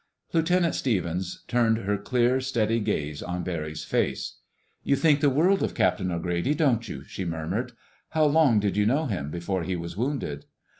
Lieutenant Stevens turned her clear, steady gaze on Barry's face. "You think the world of Captain O'Grady, don't you?" she murmured. "How long did you know him before he was wounded?"